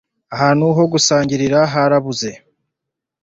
Ahantu ho gusangirira harahuze